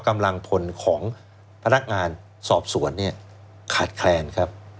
กำลังพลของพนักงานสอบสวนเนี่ยขาดแคลนครับ